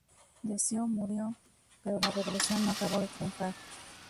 Decio murió, pero la rebelión no acabó de triunfar.